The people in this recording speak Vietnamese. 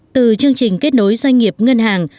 từ chương trình kết nối doanh nghiệp ngân hàng